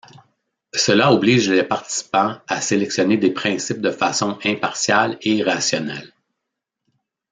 Cela oblige les participants à sélectionner des principes de façon impartiale et rationnelle.